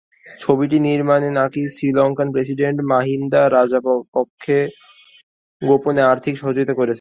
ছবিটি নির্মাণে নাকি শ্রীলঙ্কান প্রেসিডেন্ট মাহিন্দা রাজাপক্ষে গোপনে আর্থিক সহযোগিতা করেছেন।